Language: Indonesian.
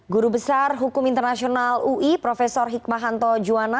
guru besar hukum internasional ui prof hikmahanto juwana